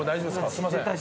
すいません。